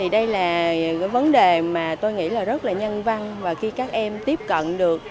đây là vấn đề mà tôi nghĩ là rất là nhân văn và khi các em tiếp cận được